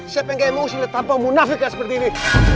siapa yang gak emosi tanpa munafikan seperti ini